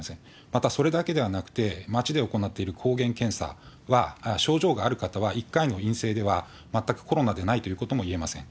また、それだけではなくて、街で行っている抗原検査は、症状がある方は１回の陰性では、全くコロナでないということもいえません。